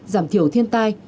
giảm thiểu thiên tai